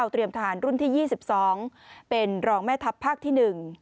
ทหารรุ่นที่๒๒เป็นรองแม่ทัพภาคที่๑